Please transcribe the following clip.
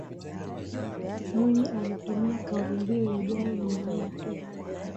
Mwinyi alitumia kauli mbiu yajayo ni neema tupu